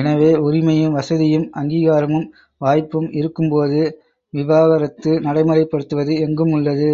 எனவே உரிமையும், வசதியும், அங்கீகாரமும், வாய்ப்பும் இருக்கும்போது விவாக ரத்து நடைமுறைப் படுத்துவது எங்கும் உள்ளது.